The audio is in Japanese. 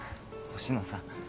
星野さん。